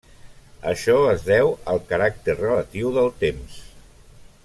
Això es deu al caràcter relatiu del temps.